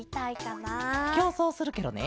きょうそうするケロね。